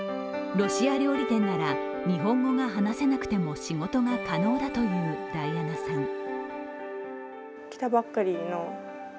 ロシア料理店なら日本語が話せなくても仕事が可能だというダイアナさん。